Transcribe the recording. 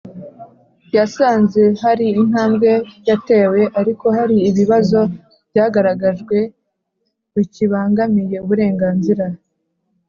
Yasanze hari intambwe yatewe ariko hari ibibazo byagaragajwe bikibangamiye uburenganzira